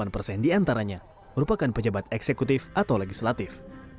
delapan persen diantaranya merupakan pejabat eksekutif atau legislatif